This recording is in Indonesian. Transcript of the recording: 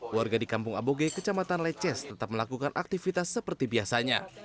warga di kampung aboge kecamatan leces tetap melakukan aktivitas seperti biasanya